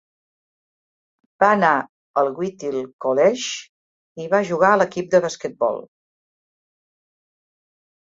Va anar al Whittier College i va jugar a l'equip de basquetbol.